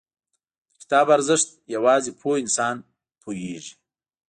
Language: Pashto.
• د کتاب ارزښت، یوازې پوه انسان پوهېږي.